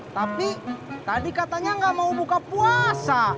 tapi tadi katanya nggak mau buka puasa